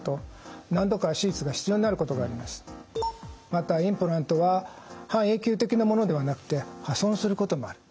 またインプラントは半永久的なものではなくて破損することもある。